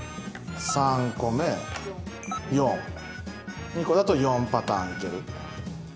４。２個だと４パターンいける。